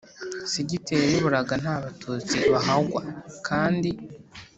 Segiteri yayoboraga nta Batutsi bahagwa kandi